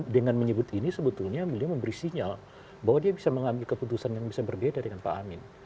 dengan menyebut ini sebetulnya beliau memberi sinyal bahwa dia bisa mengambil keputusan yang bisa berbeda dengan pak amin